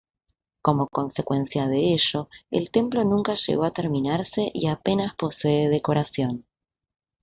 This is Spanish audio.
Como consecuencia de ello, el templo nunca llegó a terminarse y apenas posee decoración.